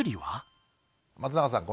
松永さん